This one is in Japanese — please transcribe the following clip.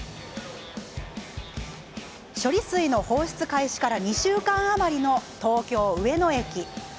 処理水の放出開始から２週間余りの東京・上野駅。